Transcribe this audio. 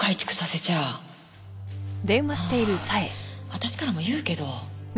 私からも言うけど。